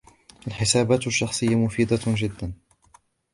الحاسبات الشخصية مفيدة جداً